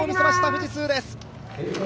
富士通です。